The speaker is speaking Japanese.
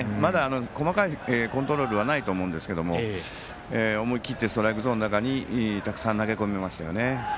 細かいコントロールはないと思うんですけど思い切ってストライクゾーンの中たくさん投げ込みましたよね。